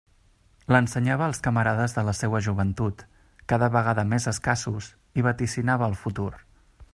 L'ensenyava als camarades de la seua joventut, cada vegada més escassos, i vaticinava el futur.